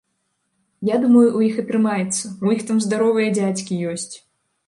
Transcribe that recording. Я думаю, у іх атрымаецца, у іх там здаровыя дзядзькі ёсць.